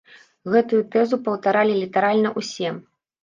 Гэтую тэзу паўтаралі літаральна ўсе.